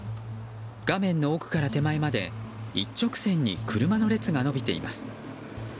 画面の奥から手前まで一直線に車の列が伸びています。